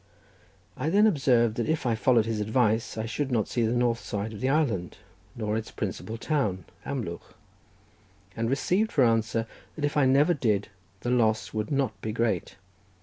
I then observed that if I followed his advice I should not see the north side of the island nor its principal town Amlwch, and received for answer that if I never did, the loss would not be great.